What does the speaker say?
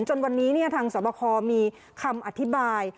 จนวันนี้ทางสวบคอมีคำอธิบาย